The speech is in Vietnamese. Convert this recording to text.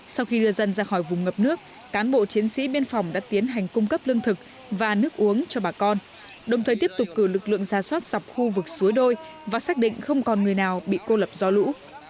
sau khi đưa dân ra khỏi vùng ngập nước cán bộ chiến sĩ biên phòng đã tiến hành cung cấp lương thực và nước uống cho bà con đồng thời tiếp tục cử lực lượng ra soát dọc khu vực suối đôi và xác định không còn người nào bị cô lập do lũ